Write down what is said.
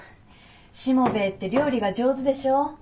しもべえって料理が上手でしょう。